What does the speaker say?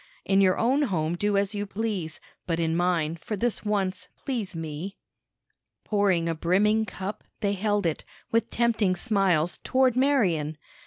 In your own home do as you please; but in mine, for this once, please me." Pouring a brimming cup, they held it, with tempting smiles, toward Marian.